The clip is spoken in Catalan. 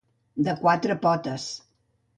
De quatre potes.